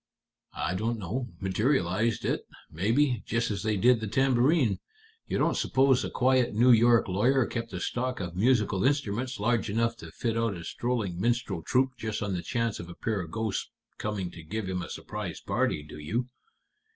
"I don't know. Materialized it, maybe, just as they did the tambourine. You don't suppose a quiet New York lawyer kept a stock of musical instruments large enough to fit out a strolling minstrel troupe just on the chance of a pair of ghosts coming to give him a surprise party, do you?